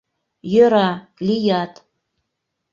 Йӧра, лият.